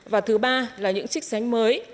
và thứ ba là những trích sánh mới